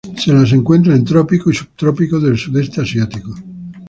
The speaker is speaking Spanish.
Se las encuentra en trópicos y subtrópicos del Sudeste Asiático.